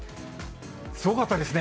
すごかったですね。